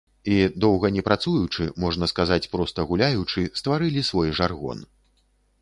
І, доўга не працуючы, можна сказаць, проста гуляючы, стварылі свой жаргон.